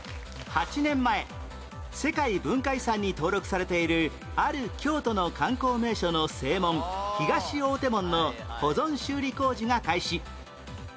８年前世界文化遺産に登録されているある京都の観光名所の正門東大手門の保存修理工事が開始